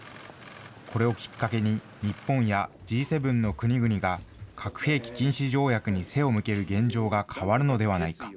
これをきっかけに、日本やＧ７の国々が核兵器禁止条約に背を向ける現状が変わるのではないか。